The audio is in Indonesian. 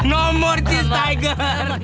tidak lagi cis tiger